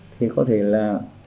thì có thể là